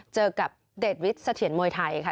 เจอกับเดชวิทย์เสถียรมวยไทยค่ะ